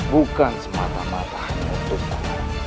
bukan semata matanya untukmu